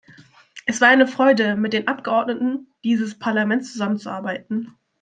Es war eine Freude, mit den Abgeordneten dieses Parlaments zusammenzuarbeiten.